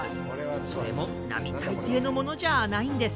それも並大抵のものじゃあないんです。